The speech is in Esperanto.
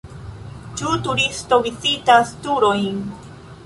Ĉu turisto vizitas turojn?